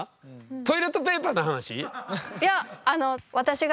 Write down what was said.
トイレットペーパーの話？